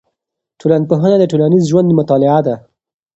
ټولنپوهنه د ټولنیز ژوند مطالعه ده.